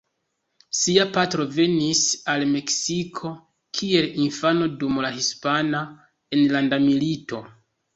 Sia patro venis al Meksiko kiel infano dum la Hispana Enlanda Milito.